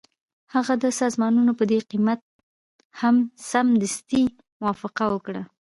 هغه د سامانونو په دې قیمت هم سمدستي موافقه وکړه